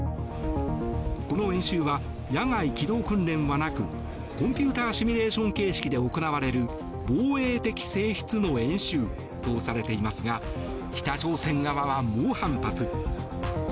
この演習は野外機動訓練はなくコンピューターシミュレーション形式で行われる防衛的性質の演習とされていますが北朝鮮側は猛反発。